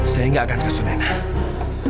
saya tidak akan kasih tau